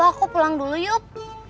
aku pulang dulu yuk